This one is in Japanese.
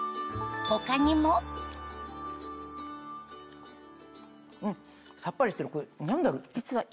他にもうんさっぱりしてるこれ何だろう？